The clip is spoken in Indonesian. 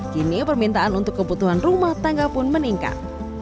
kini permintaan untuk kebutuhan rumah tangga pun meningkat